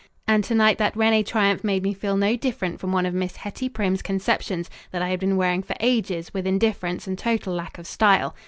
And to night that Rene triumph made me feel no different from one of Miss Hettie Primm's conceptions that I had been wearing for ages with indifference and total lack of style.